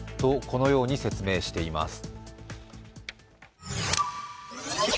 このように説明しています。